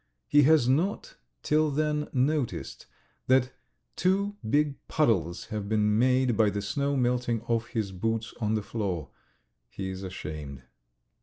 He has not till then noticed that two big puddles have been made by the snow melting off his boots on the floor. He is ashamed.